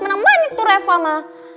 menang banyak tuh reva ma